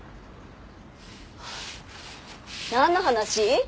なんの話？